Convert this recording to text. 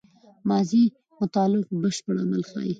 ماضي مطلق بشپړ عمل ښيي.